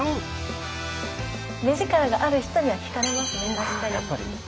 目力がある人には惹かれますね。